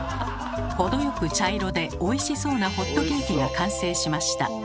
程よく茶色でおいしそうなホットケーキが完成しました。